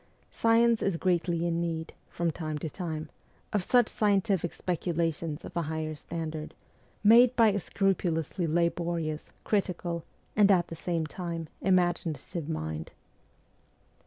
Science is greatly in need, from time to time, of such scientific speculations of a higher standard, made by a scrupulously laborious, critical, and at the same time, imaginative mind.